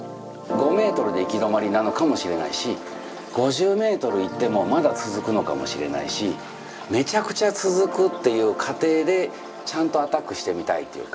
５ｍで行き止まりなのかもしれないし５０ｍ行ってもまだ続くのかもしれないしめちゃくちゃ続くっていう仮定でちゃんとアタックしてみたいというか。